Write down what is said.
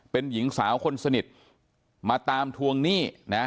เป็นหญิงสาวคนสนิทมาตามทวงหนี้นะ